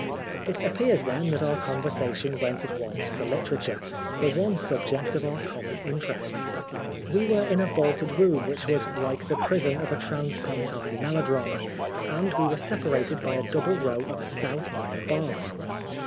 It appears, then, that our conver sation went at once to literature, the one subject of our common interest. We were 197 Oscar Wilde in a vaulted room which was like the prison of a transpontine melodrama, and we were separated by a double row of stout iron bars.